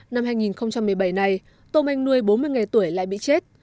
năm hai nghìn một mươi bảy này tô anh nuôi bốn mươi ngày tuổi lại bị chết